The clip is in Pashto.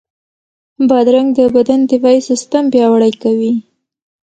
بادرنګ د بدن دفاعي سیستم پیاوړی کوي.